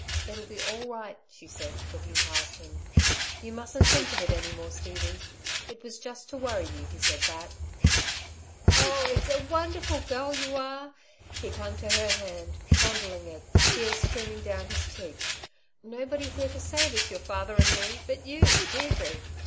"It'll be all right," she said, looking past him. "You mustn't think of it any more, Stevie. It was just to worry you, he said that." "Oh, it's a wonderful girl you are!" He clung to her hand, fondling it, tears streaming down his cheeks. "Nobody here to save us, your father and me, but you, Deirdre!